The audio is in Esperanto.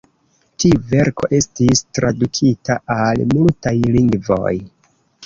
Tiu verko estis tradukita al multaj lingvoj.